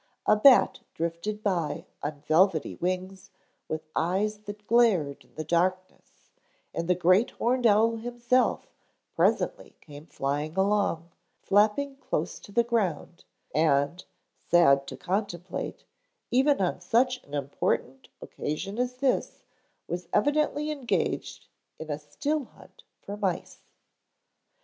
A bat drifted by on velvety wings with eyes that glared in the darkness, and the great horned owl himself presently came flying along, flapping close to the ground, and, sad to contemplate, even on such an important occasion as this was evidently engaged in a still hunt for mice.